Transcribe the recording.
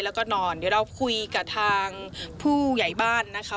แล้วก็นอนเดี๋ยวเราคุยกับทางผู้ใหญ่บ้านนะคะ